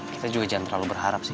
kita juga jangan terlalu berharap sih